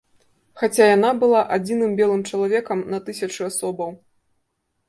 Хаця яна была адзіным белым чалавекам на тысячы асобаў.